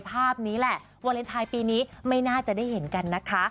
ภาพนี้แหละวาเลนไทยปีนี้ไม่น่าจะได้เห็นกันนะคะ